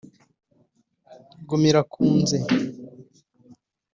Gumira Kunze